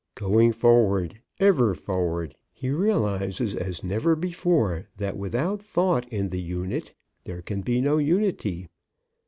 GOING FORWARD, EVER FORWARD, HE REALIZES AS NEVER BEFORE THAT WITHOUT THOUGHT IN THE UNIT, THERE CAN BE NO UNITY.